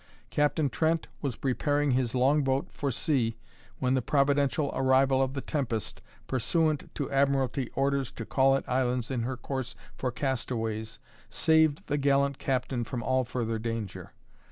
Captain Trent was preparing his long boat for sea, when the providential arrival of the Tempest, pursuant to Admiralty orders to call at islands in her course for castaways, saved the gallant captain from all further danger.